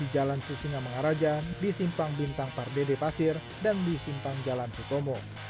di jalan sisingamengaraja di simpang bintang parbede pasir dan di simpang jalan sukomo